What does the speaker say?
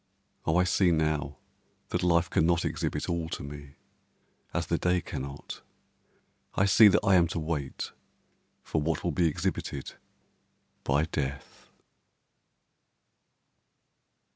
O I see now that life cannot exhibit all to me, as the day cannot, I see that I am to wait for what will be exhibited by death.